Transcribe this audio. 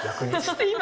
今？